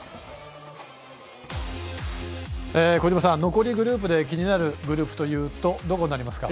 小島さん、残りグループで気になるグループというとどこになりますか？